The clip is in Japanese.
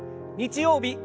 日曜日